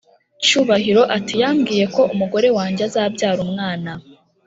Cyubahiro ati"yambwiye ko umugore wanjye azabyara umwana